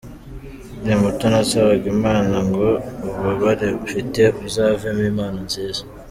Nkiri muto nasabaga Imana ngo ububabare mfite buzavemo impano nziza.